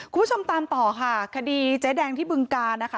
คุณผู้ชมตามต่อค่ะคดีเจ๊แดงที่บึงการนะคะ